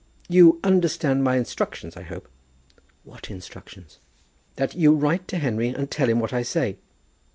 "You understand my instructions, I hope?" "What instructions?" "That you write to Henry and tell him what I say."